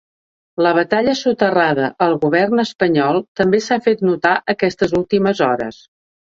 La batalla soterrada al govern espanyol també s’ha fet notar aquestes últimes hores.